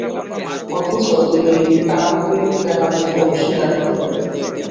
অথচ তিনি কারণের ব্যাপারটি অস্বীকার করলেন।